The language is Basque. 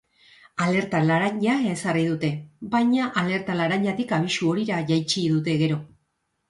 Alerta laranja ezarri dute, baina alerta laranjatik abisu horira jaitsi dute gero.